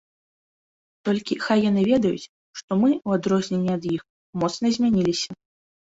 Толькі хай яны ведаюць, што мы, у адрозненні ад іх, моцна змяніліся.